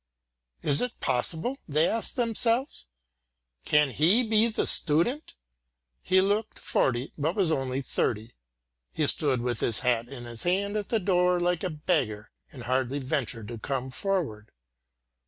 "Is it possible?" they asked themselves. "Can he be a student?" He looked forty, but was only thirty. He stood with his hat in his hand at the door like a beggar, and hardly ventured to come forward.